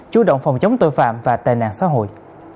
chú động phòng chống tội phạm và tệ nạn xã hội